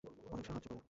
অনেক সাহায্য করে।